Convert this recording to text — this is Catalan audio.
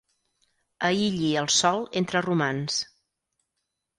Aïlli el sol entre romans.